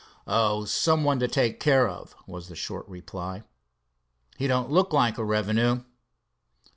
"Oh, some one to take care of," was the short reply. "He don't look like a revenue."